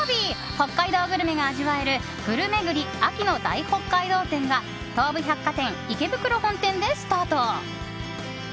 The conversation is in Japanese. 北海道グルメが味わえるぐるめぐり秋の大北海道展が東武百貨店池袋本店でスタート。